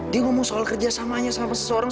dia ngomong soal kerjasamanya sama seseorang